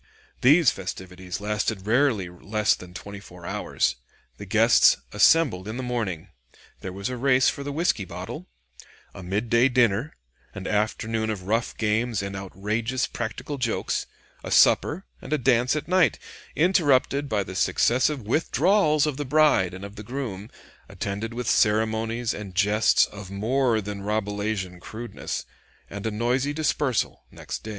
These festivities lasted rarely less than twenty four hours. The guests assembled in the morning. There was a race for the whisky bottle; a midday dinner; an afternoon of rough games and outrageous practical jokes; a supper and dance at night, interrupted by the successive withdrawals of the bride and of the groom, attended with ceremonies and jests of more than Rabelaisian crudeness; and a noisy dispersal next day.